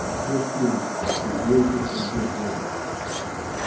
This is His gracious and good will.